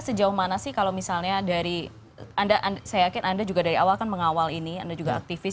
sejauh mana sih kalau misalnya dari anda saya yakin anda juga dari awal kan mengawal ini anda juga aktivis